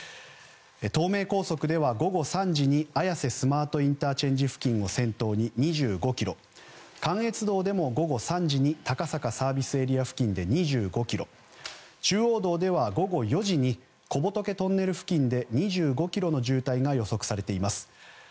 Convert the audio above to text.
東名高速では午後３時に綾瀬スマートＩＣ付近を先頭に２５ｋｍ関越道でも午後３時に高坂ＳＡ付近で２５ｋｍ中央道では午後４時に小仏トンネル付近で２５ｋｍの渋滞が予測されています。